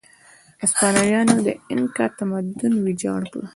هسپانویانو د اینکا تمدن ویجاړ کړ.